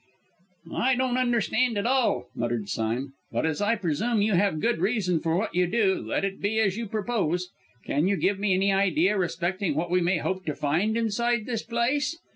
"I don't understand at all," muttered Sime, "but as I presume you have a good reason for what you do, let it be as you propose. Can you give me any idea respecting what we may hope to find inside this place?